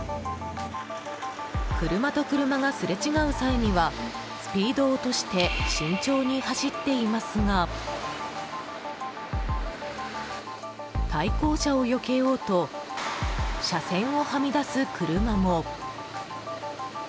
車と車がすれ違う際にはスピードを落として慎重に走っていますが対向車をよけようと車線をはみ出す車も。